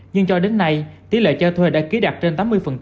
nhưng cho đến nay tỷ lệ cho thuê đã ký đạt trên tám mươi